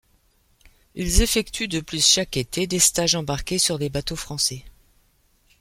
Ils effectuent de plus chaque été des stages embarqués sur des bateaux français.